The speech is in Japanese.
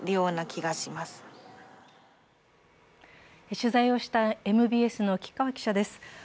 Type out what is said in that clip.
取材をしたＭＢＳの吉川記者です。